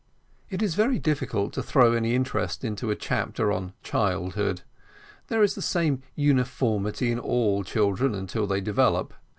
It is very difficult to throw any interest into a chapter on childhood. There is the same uniformity in all children until they develop.